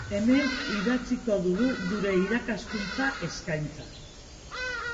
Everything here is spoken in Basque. Hemen idatziko dugu gure irakaskuntza eskaintza.